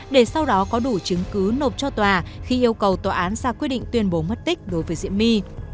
để sau đó có đủ chứng cứ nộp cho tòa khi yêu cầu tòa án ra quyết định tuyên bố mất tích đối với diệm my